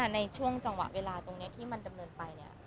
ในช่วงจังหวะเวลาตรงนี้ที่มันดำเนินไป